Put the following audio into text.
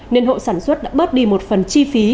nên hộ sản xuất đã bớt đi một phần chi phí